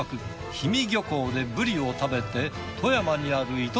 氷見漁港でブリを食べて富山にある糸